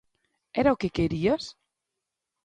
Era o que querías?